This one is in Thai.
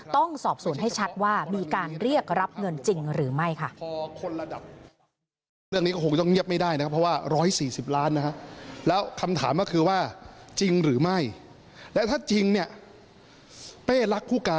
ต้องสอบสวนให้ชัดว่ามีการเรียกรับเงินจริงหรือไม่ค่ะ